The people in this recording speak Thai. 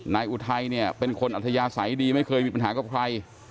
อุทัยเนี่ยเป็นคนอัธยาศัยดีไม่เคยมีปัญหากับใคร